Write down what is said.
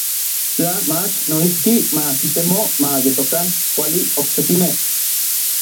Tla mach noijki ma kitemo ma yetokan kuali oksekimej.